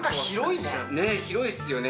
広いっすよね。